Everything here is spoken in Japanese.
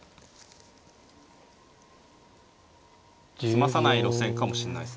詰まさない路線かもしんないっすね。